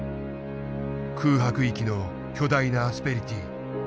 空白域の巨大なアスペリティー。